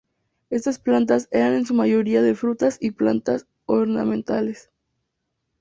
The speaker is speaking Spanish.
Estas plantas eran en su mayoría de frutas y plantas ornamentales.